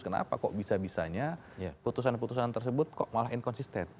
kenapa kok bisa bisanya putusan putusan tersebut kok malah inkonsisten